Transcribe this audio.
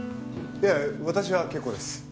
いや私は結構です。